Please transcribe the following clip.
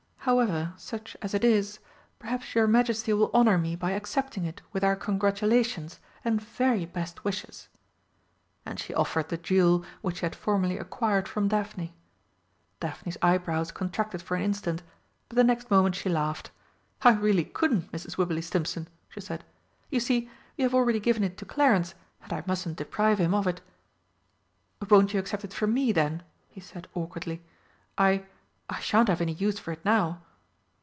However, such as it is, perhaps your Majesty will honour me by accepting it with our congratulations and very best wishes?" And she offered the jewel which she had formerly acquired from Daphne. Daphne's eyebrows contracted for an instant, but the next moment she laughed. "I really couldn't, Mrs. Wibberley Stimpson!" she said. "You see, you have already given it to Clarence, and I mustn't deprive him of it." "Won't you accept it from me, then?" he said awkwardly. "I I shan't have any use for it now."